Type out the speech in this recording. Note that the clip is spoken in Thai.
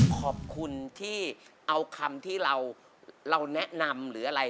ขอบคุณที่เอาคำที่เราแนะนำหรืออะไร